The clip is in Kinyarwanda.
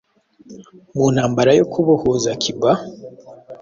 mu ntambara yo kubohoza cuba,